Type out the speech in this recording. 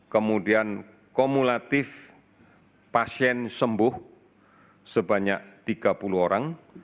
kemudian kumulatif pasien sembuh sebanyak tiga puluh orang